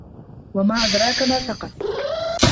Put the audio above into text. وَما أَدراكَ ما سَقَرُ